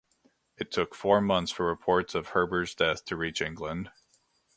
It took four months for reports of Heber's death to reach England.